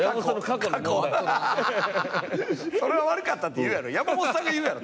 それは悪かったって言うやろ。